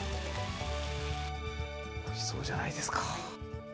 おいしそうじゃないですか。